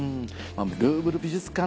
ルーヴル美術館